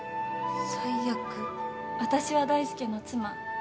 私は大介の妻。